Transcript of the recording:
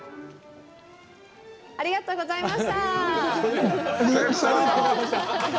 ありがとうございます。